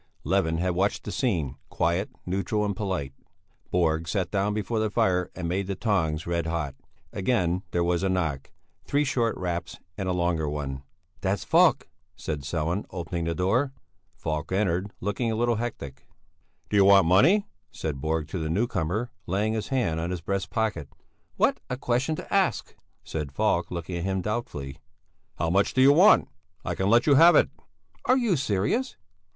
Levin had watched the scene, quiet, neutral, and polite. Borg sat down before the fire and made the tongs red hot. Again there was a knock: three short raps and a longer one. "That's Falk," said Sellén, opening the door. Falk entered, looking a little hectic. "Do you want money?" said Borg to the newcomer, laying his hand on his breast pocket. "What a question to ask," said Falk, looking at him doubtfully. "How much do you want? I can let you have it." "Are you serious?"